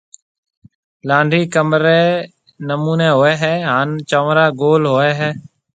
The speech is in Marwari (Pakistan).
لانڊَي ڪمرَي نمونيَ ھوئيَ ھيََََ ھان چنورا گول ھوئيَ ھيََََ